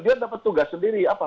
dia dapat tugas sendiri